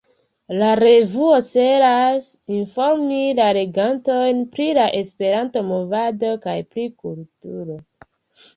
La revuo celas informi la legantojn pri la Esperanto-movado kaj pri kulturo.